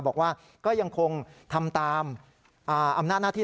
บอกว่าก็ยังคงทำตามอำนาจหน้าที่